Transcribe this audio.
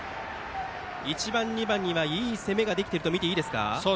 １番、２番には、いい攻めができているとみていいですか。